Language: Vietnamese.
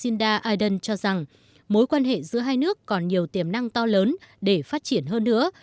shinda iden cho rằng mối quan hệ giữa hai nước còn nhiều tiềm năng to lớn để phát triển hơn nữa